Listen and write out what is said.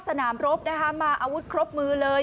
สนามรบนะคะมาอาวุธครบมือเลย